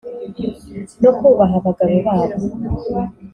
no kubaha abagabo babo.